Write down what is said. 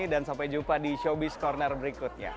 dan sampai jumpa di showbiz corner berikutnya